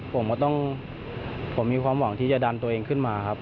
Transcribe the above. ผมก็ต้องผมมีความหวังที่จะดันตัวเองขึ้นมาครับ